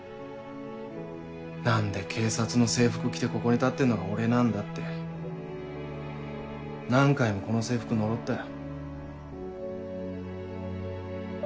何で警察の制服着てここに立ってるのが俺なんだって何回もこの制服呪ったよ。